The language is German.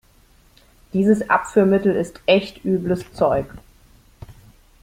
Dieses Abführmittel ist echt übles Zeug.